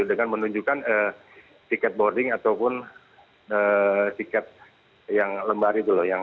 dengan menunjukkan tiket boarding ataupun tiket yang lembari dulu